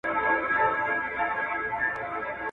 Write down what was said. پښتانه ډېر په عذاب سول.